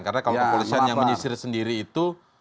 karena kalau polisi yang menyisir sendiri itu